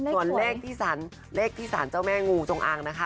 ส่วนเลขที่สารเจ้าแม่งูจงอางนะคะ